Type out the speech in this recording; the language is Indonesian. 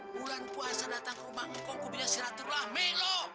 bulan puasa datang ke rumahmu kok kubina siratur lahmeh lo